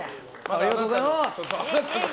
ありがとうございます！